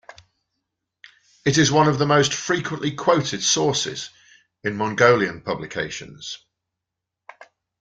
It is one of the most frequently quoted sources in Mongolian publications.